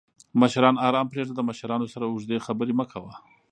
مشران آرام پریږده! د مشرانو سره اوږدې خبرې مه کوه